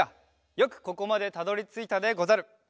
よくここまでたどりついたでござる！